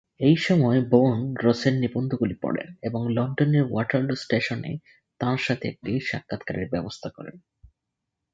এইসময় বোর্ন রসের নিবন্ধগুলি পড়েন এবং লন্ডনের ওয়াটারলু স্টেশনে তাঁর সাথে একটি সাক্ষাৎকারের ব্যবস্থা করেন।